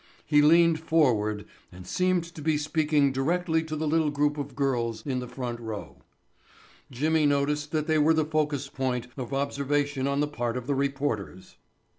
He leaned forward and seemed to be speaking directly to the little group of girls in the front rows. Jimmy noticed that they were the focus point of observation on the part of the reporters.